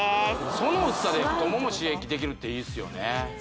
その薄さで太もも刺激できるっていいっすよね